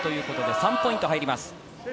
３ポイント入ります。